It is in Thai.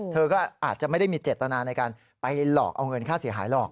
เธอก็อาจจะไม่ได้มีเจตนาในการไปหลอกเอาเงินค่าเสียหายหรอก